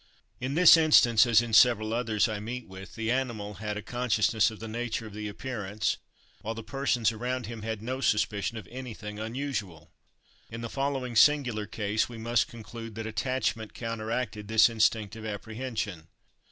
In this instance, as in several others I meet with, the animal had a consciousness of the nature of the appearance, while the persons around him had no suspicion of anything unusual. In the following singular case we must conclude that attachment counteracted this instinctive apprehension.